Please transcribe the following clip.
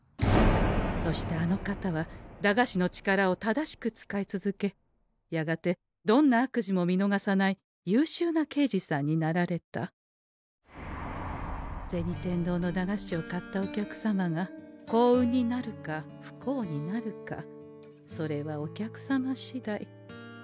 そしてあの方は駄菓子の力を正しく使い続けやがてどんな悪事も見のがさない優秀な刑事さんになられた銭天堂の駄菓子を買ったお客様が幸運になるか不幸になるかそれはお客様しだい。